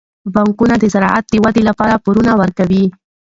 بانکونه د زراعت د ودې لپاره پورونه ورکوي.